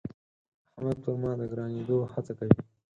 احمد پر ما د ګرانېدو هڅه کوي.